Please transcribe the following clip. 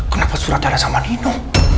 kenapa suratnya ada sama nino